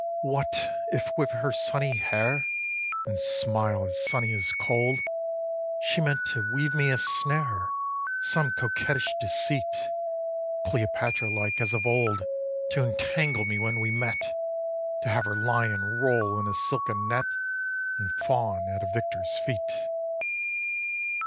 4. What if with her sunny hair, And smile as sunny as cold, She meant to weave me a snare Of some coquettish deceit, Cleopatra like as of old To entangle me when we met, To have her lion roll in a silken net And fawn at a victor's feet.